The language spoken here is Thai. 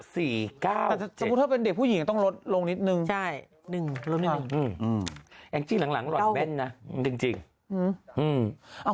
สถาบัณฑ์ต้องลดลงนิดนึงมาแล้วหลังนะจริงถึง